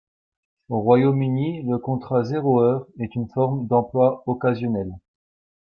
Au Royaume Uni, le contrat zéro heure est une forme d'emploi occasionnel.